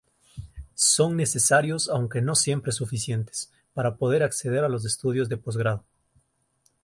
Son necesarios, aunque no siempre suficientes, para poder acceder a los estudios de posgrado.